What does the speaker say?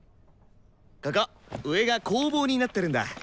ここ上が工房になってるんだ。